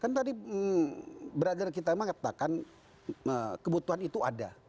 kan tadi beragam kita memang katakan kebutuhan itu ada